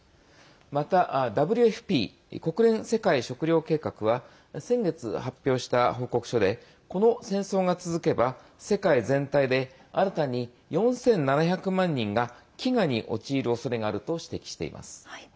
またＷＦＰ＝国連世界食糧計画は先月発表した報告書でこの戦争が続けば世界全体で新たに４７００万人が飢餓に陥るおそれがあると指摘しています。